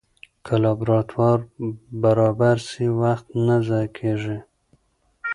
که لابراتوار برابر سي، وخت نه ضایع کېږي.